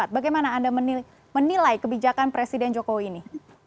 bagaimana anda menilai kebijakan presiden jokowi ini